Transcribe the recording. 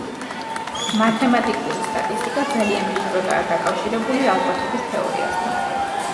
მათემატიკური სტატისტიკა ძალიან მჭიდროდაა დაკავშირებული ალბათობის თეორიასთან.